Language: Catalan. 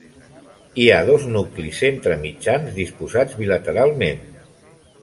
Hi ha dos nuclis centre-mitjans disposats bilateralment.